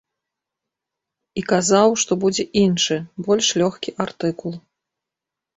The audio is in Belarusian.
І казаў, што будзе іншы, больш лёгкі артыкул.